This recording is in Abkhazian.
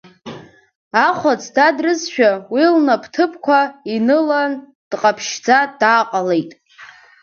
Ахәац дадрызшәа уи лнап ҭыԥқәа инылан дҟаԥшьӡа дааҟалеит.